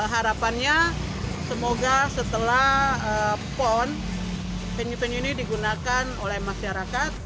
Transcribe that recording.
harapannya semoga setelah pon penyusun ini digunakan oleh masyarakat